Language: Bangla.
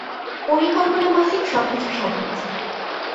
পরিকল্পনা মাফিক সবকিছু সাজিয়েছে।